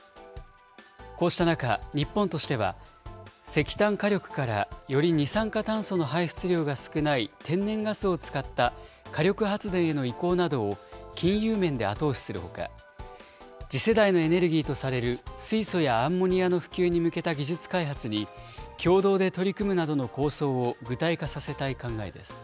こうした中、日本としては、石炭火力からより二酸化炭素の排出量が少ない天然ガスを使った火力発電への移行などを金融面で後押しするほか、次世代のエネルギーとされる水素やアンモニアの普及に向けた技術開発に、共同で取り組むなどの構想を具体化させたい考えです。